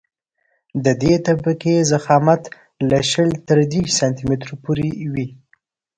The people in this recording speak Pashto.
د دې طبقې ضخامت له شل تر دېرش سانتي مترو پورې وي